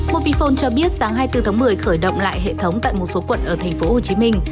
mobifone cho biết sáng hai mươi bốn tháng một mươi khởi động lại hệ thống tại một số quận ở thành phố hồ chí minh